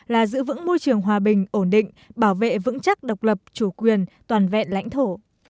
là giữ vững môi trường hòa bình ổn định bảo vệ vững chắc độc lập chủ quyền toàn vẹn lãnh thổ